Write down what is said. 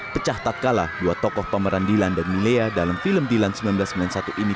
pecah tak kalah dua tokoh pemeran dilan dan milea dalam film dilan seribu sembilan ratus sembilan puluh satu ini